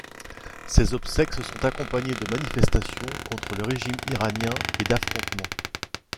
Ses obsèques se sont accompagnées de manifestations contre le régime iranien et d'affrontements.